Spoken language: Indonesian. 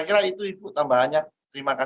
baik pak fahri mau nambah atau sudah cukup